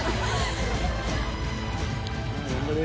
頑張れ。